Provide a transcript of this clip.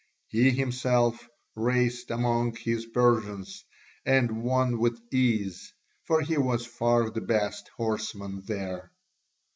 He himself raced among his Persians, and won with ease, for he was far the best horseman there.